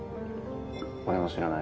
俺も知らない。